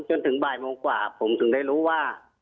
จนถึงบ่ายโมงกว่าผมถึงได้รู้ว่า